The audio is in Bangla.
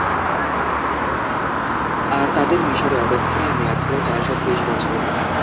আর তাদের মিসরে অবস্থানের মেয়াদ ছিল চারশ ত্রিশ বছর।